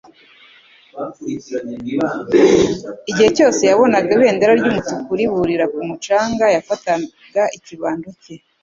Igihe cyose yabonaga ibendera ry'umutuku riburira ku mucanga yafataga ikibaho cye.